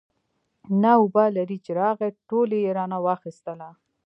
نه وبال لري چې راغی ټوله يې رانه واخېستله.